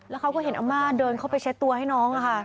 แล้วเขาก็เห็นอาม่าเดินเข้าไปเช็ดตัวให้น้องค่ะ